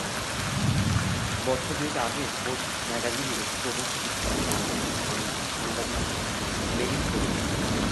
বছর দুয়েক আগে ফোর্বস ম্যাগাজিনে একটি প্রবন্ধ লিখেছেন আমেরিকান সাংবাদিক মেলিক কোলন।